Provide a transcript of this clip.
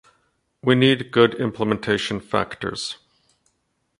We need good implementation factors.